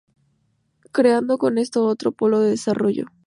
Creando con esto otro polo de desarrollo.